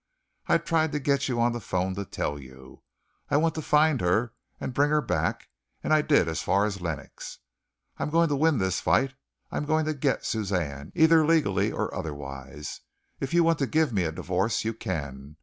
I tried to get you on the phone to tell you. I went to find her and bring her back, and I did as far as Lenox. I am going to win this fight. I am going to get Suzanne, either legally or otherwise. If you want to give me a divorce, you can.